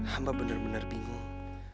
hamba bener bener bingung